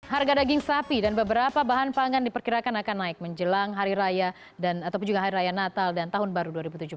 harga daging sapi dan beberapa bahan pangan diperkirakan akan naik menjelang hari raya ataupun juga hari raya natal dan tahun baru dua ribu tujuh belas